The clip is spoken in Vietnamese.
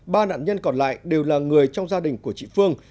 ba nạn nhân còn lại đều là người trong gia đình của chị phương